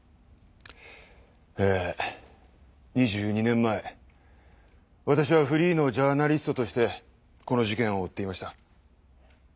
え２２年前私はフリーのジャーナリストとしてこの事件を追っていました。